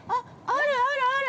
あるあるある！